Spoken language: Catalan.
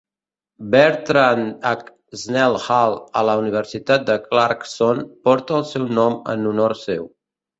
Bertrand H. Snell Hall a la Universitat de Clarkson porta el seu nom en honor seu.